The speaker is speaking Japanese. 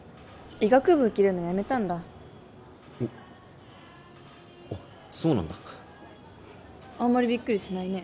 医学部受けるのやめたんだおおうそうなんだあんまりびっくりしないね